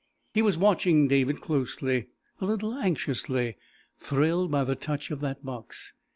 He was watching David closely, a little anxiously thrilled by the touch of that box.